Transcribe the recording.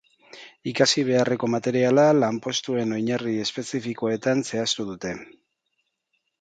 Ikasi beharreko materiala lanpostuen oinarri espezifikoetan zehaztu dute.